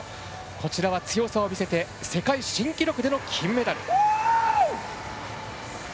こちらは強さを見せて世界新記録での金メダル。